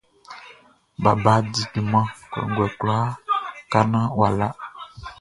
Baba di junman kɔnguɛ kwlaa ka naan wʼa la.